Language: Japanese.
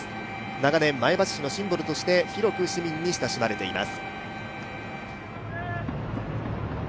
長年、前橋市のシンボルとして広く市民に親しまれています。